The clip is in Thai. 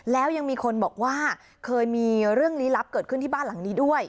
แล้วยังมีคนบอกว่าเคยมีเรื่องลี้ลับเกิดขึ้นที่บ้านหลังนี้ด้วย